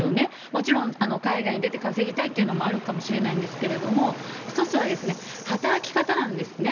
もちろん、海外に出て稼ぎたいっていうのもあるかもしれないんですけれども、一つは、働き方なんですね。